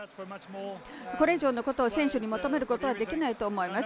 これ以上のことを選手に求めることはできないと思います。